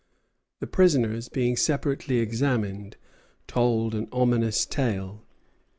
The prisoners, being separately examined, told an ominous tale.